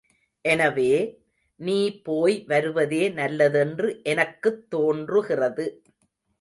எனவே, நீ போய் வருவதே நல்லதென்று எனக்குத் தோன்றுகிறது.